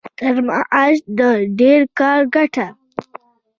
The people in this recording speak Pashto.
تر معاش د ډېر کار ګټه.